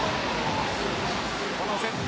このセット